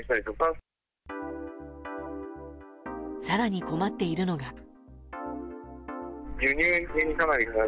更に困っているのが。